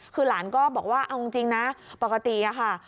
คือหลานก็บอกว่าเอาจริงนะปกติอะค่ะ